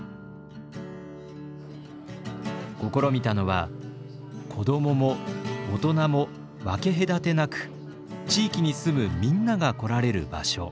試みたのは子どもも大人も分け隔てなく地域に住むみんなが来られる場所。